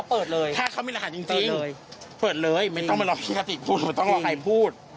เปิดเลยเปิดเลยไม่ต้องมารอพิธาติกไม่ต้องรอใครพูด